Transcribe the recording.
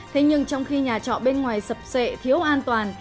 thế nhưng trong khi nhà trọ bên ngoài sập sệ thiếu an toàn